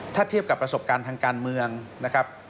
ถ้าเทียบกับประสบการณ์ทางการเมืองนะครับ